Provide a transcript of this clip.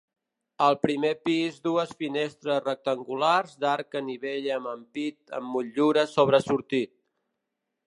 Al primer pis dues finestres rectangulars d'arc a nivell amb ampit amb motllura sobresortit.